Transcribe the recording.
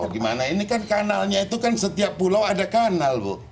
gimana ini kan kanalnya itu kan setiap pulau ada kanal bu